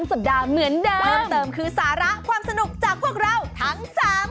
เพิ่มเติมคือสาระความสนุกจากพวกเราทั้ง๓คน